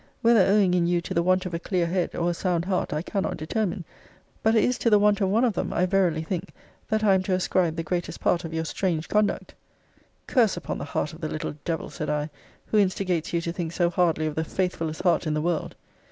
Whether owing in you to the want of a clear head, or a sound heart, I cannot determine; but it is to the want of one of them, I verily think, that I am to ascribe the greatest part of your strange conduct. Curse upon the heart of the little devil, said I, who instigates you to think so hardly of the faithfullest heart in the world!